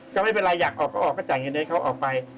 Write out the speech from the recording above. ก็ไม่เป็นไรอยากออกก็ออกก็จ่ายเงินให้เขาออกไป